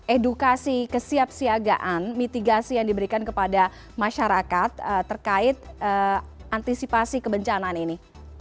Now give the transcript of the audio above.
edukasi kesiapsiagaan mitigasi yang diberikan kepada masyarakat terkait antisipasi kebencanaan ini